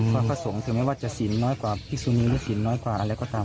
เพราะพระสงฆ์ถึงไม่ว่าจะสินน้อยกว่าพิสุนิยนจะสินน้อยกว่าอะไรก็ตาม